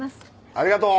ありがとう！